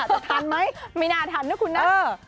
จะทันไหมไม่น่าทันนะคุณนะ